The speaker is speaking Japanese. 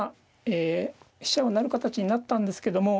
飛車を成る形になったんですけども。